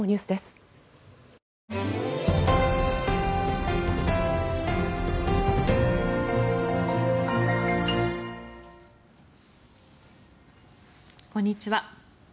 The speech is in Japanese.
こんにちは。